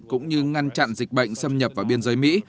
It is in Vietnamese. cũng như ngăn chặn dịch bệnh xâm nhập vào biên giới mỹ